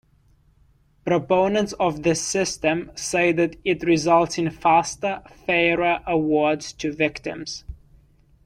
Proponents of this system say that it results in faster, fairer awards to victims.